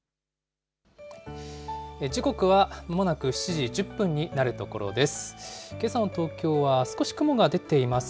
時刻はまもなく７時１０分になるところです。